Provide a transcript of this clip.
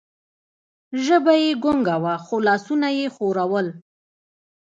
ژبه یې ګونګه وه، خو لاسونه یې ښورول.